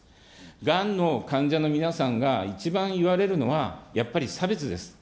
がんの患者の皆さんが一番いわれるのは、やっぱり差別です。